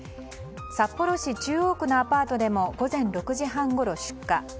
札幌市中央区のアパートでも午前６時半ごろ出火。